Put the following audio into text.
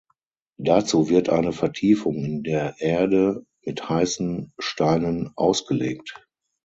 Dazu wird eine Vertiefung in der Erde mit heißen Steinen ausgelegt.